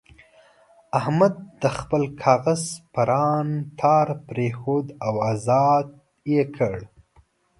احمد د خپل کاغذ پران تار پرېښود او ازاد یې کړ.